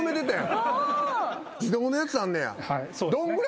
自動のやつあんねや。